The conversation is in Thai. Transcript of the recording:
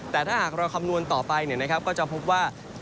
แต่ถ้าหากเราคำนวณต่อไปเนี่ยนะครับก็จะพบว่า